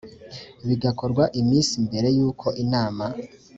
bigakorwa iminsi mbere y uko inama